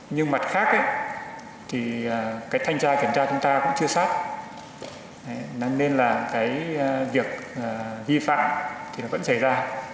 nhưng mặt khác thanh tra kiểm tra chúng ta cũng chưa sát nên việc vi phạm vẫn xảy ra